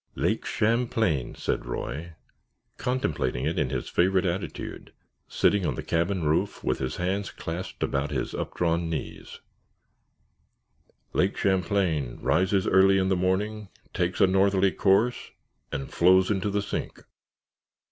"Lake Champlain," said Roy, contemplating it in his favorite attitude, sitting on the cabin roof with his hands clasped about his updrawn knees; "Lake Champlain rises early in the morning, takes a northerly course, and flows into the sink.